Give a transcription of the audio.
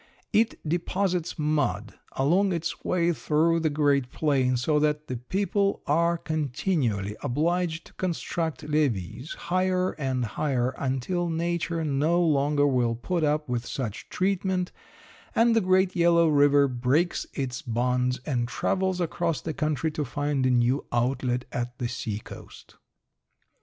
It deposits mud along its way through the great plain so that the people are continually obliged to construct levees higher and higher until nature no longer will put up with such treatment and the great yellow river breaks its bonds and travels across the country to find a new outlet at the seacoast.